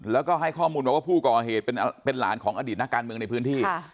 แล้วก็ให้ข้อมูลมาว่าผู้ก่อเหตุเป็นหลานของอดีตนักการเมืองในพื้นที่